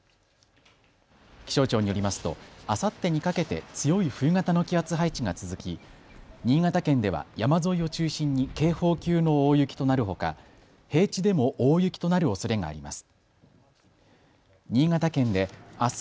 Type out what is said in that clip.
気象庁によりますと、あさってにかけて強い冬型の気圧配置が続き新潟県では山沿いを中心に警報級の大雪となるほか平地でも大雪となるおそれがあります。